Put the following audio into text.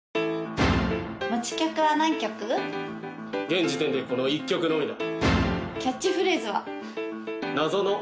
現時点でこの１曲のみだ！